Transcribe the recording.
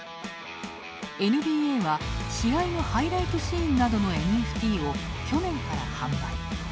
ＮＢＡは試合のハイライトシーンなどのＮＦＴを去年から販売。